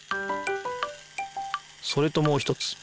それともう一つ。